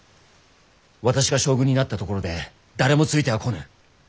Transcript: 私が将軍になったところで誰もついてはこぬ。